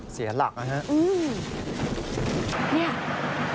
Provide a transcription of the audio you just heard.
เสียหลักนะครับ